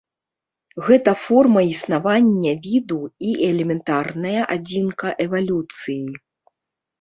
Гэта форма існавання віду і элементарная адзінка эвалюцыі.